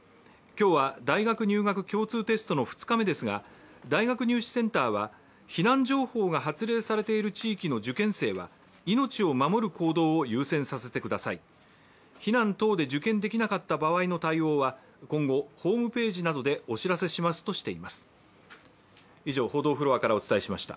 今日は大学入学共通テストの２日目ですが、大学入試センターは、避難情報が発令されている地域の受験生は命を守る行動を優先させてください、避難等で受験できなかった場合の対応は、今後、ホームページなどでお知らせしますなどとしています。